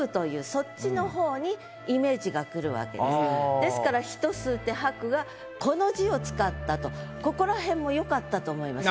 ですから「人吸うて吐く」はこの字を使ったとここらへんも良かったと思います。